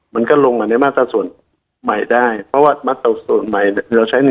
มันก็ลงมาในมาตราส่วนใหม่ได้เพราะว่ามาตรส่วนใหม่เราใช้๑